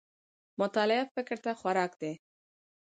مطالعه فکر ته خوراک دی